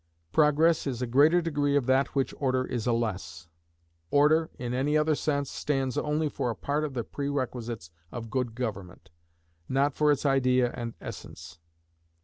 Progress is a greater degree of that of which Order is a less. Order, in any other sense, stands only for a part of the prerequisites of good government, not for its idea and essence.